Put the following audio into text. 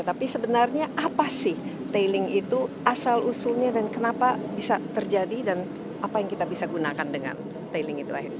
tapi sebenarnya apa sih tailing itu asal usulnya dan kenapa bisa terjadi dan apa yang kita bisa gunakan dengan tailing itu akhirnya